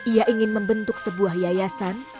ia ingin membentuk sebuah yayasan